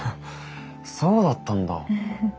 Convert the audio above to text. そうだったんだ。